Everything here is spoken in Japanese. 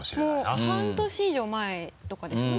もう半年以上前とかですもんね